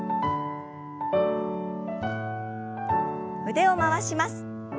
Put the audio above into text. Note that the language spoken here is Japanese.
腕を回します。